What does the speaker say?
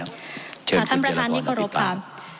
ท่านประธานที่เคารพค่ะ